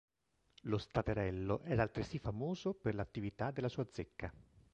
Lo Staterello era altresì famoso per l'attività della sua zecca.